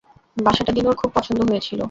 বাসাটা দিনুর খুব পছন্দ হয়েছিল।